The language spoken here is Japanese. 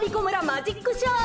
マジックショー。